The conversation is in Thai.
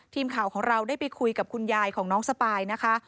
ทีมข่าวของเราได้ไปคุยกับคุณยายของน้องสปายนะคะ